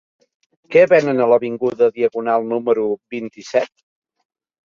Què venen a l'avinguda Diagonal número vint-i-set?